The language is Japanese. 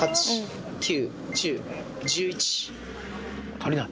足りない。